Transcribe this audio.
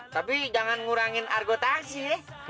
tapi jangan ngurangin argo taksi hee